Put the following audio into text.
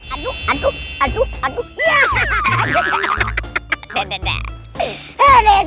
aduh aduh aduh aduh